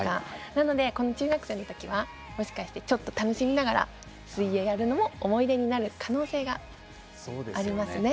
なので、この中学生のときはもしかしてちょっと楽しみながら水泳をやるのも思い出になる可能性がありますね。